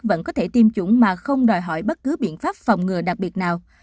vẫn có thể tiêm chủng mà không đòi hỏi bất cứ biện pháp phòng ngừa đặc biệt nào